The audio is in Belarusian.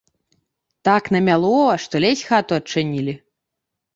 Так намяло, што ледзь хату адчынілі.